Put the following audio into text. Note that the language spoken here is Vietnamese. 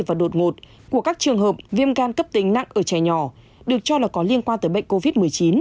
và đột ngột của các trường hợp viêm gan cấp tính nặng ở trẻ nhỏ được cho là có liên quan tới bệnh covid một mươi chín